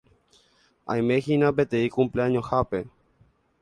Aimehína peteĩ cumpleaños-hápe